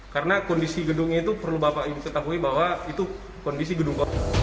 karena kondisi gedung itu perlu bapak ibu ketahui bahwa itu kondisi gedung